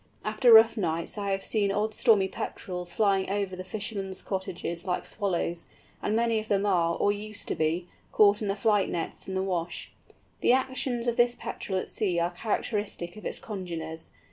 After rough nights I have seen odd Stormy Petrels flying over the fishermen's cottages like swallows, and many of them are, or used to be, caught in the flight nets in the Wash. The actions of this Petrel at sea are characteristic of its congeners.